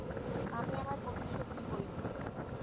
আমি আমার প্রতিশোধ নিবোই!